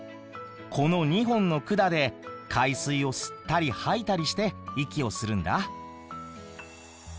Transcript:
この２本の管で海水を吸ったり吐いたりして息をするんだ。